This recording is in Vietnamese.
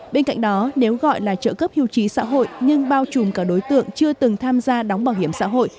bên cạnh đó nếu gọi là trợ cấp hưu trí xã hội nhưng bao trùm cả đối tượng chưa từng tham gia đóng bảo hiểm xã hội